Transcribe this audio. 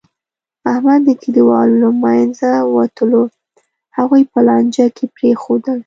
احمد د کلیوالو له منځه ووتلو، هغوی په لانجه کې پرېښودل.